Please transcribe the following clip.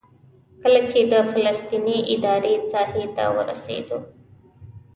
کله چې د فلسطیني ادارې ساحې ته ورسېدو.